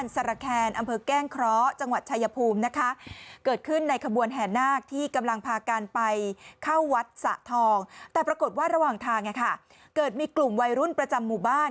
แต่ปรากฏว่าระหว่างทางเกิดมีกลุ่มวัยรุ่นประจำหมู่บ้าน